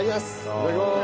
いただきます。